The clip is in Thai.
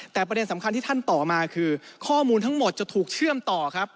แต่ประเด็นสำคัญที่ท่านต่อมาคือข้อมูลทั้งหมดจะถูกเชื่อมต่อครับ